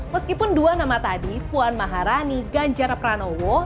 meskipun dua nama tadi puan maharani ganjar pranowo